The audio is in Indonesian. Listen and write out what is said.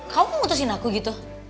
kamu yang memutuskan aku gitu